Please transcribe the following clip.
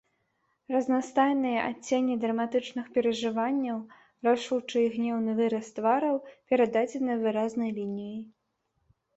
Разнастайныя адценні драматычных перажыванняў, рашучы і гнеўны выраз твараў перададзены выразнай лініяй.